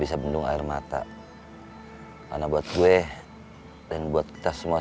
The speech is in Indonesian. watch mediang pasar genjing dan kata orang bilang gua ngejauh gua nama apa soal gua begas ada orang